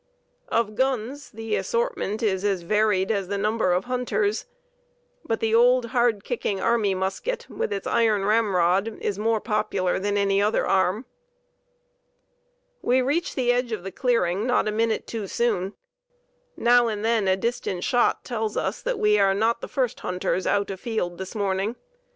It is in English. Of guns the assortment is as varied as the number of hunters, but the old, hard kicking army musket with its iron ramrod is more popular than any other arm. "We reach the edge of the clearing not a minute too soon. Now and then a distant shot tells us that we are not the first hunters out afield this morning.